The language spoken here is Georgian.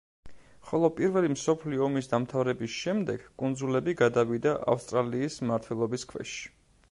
ხოლო პირველი მსოფლიო ომის დამთავრების შემდეგ კუნძულები გადავიდა ავსტრალიის მმართველობის ქვეშ.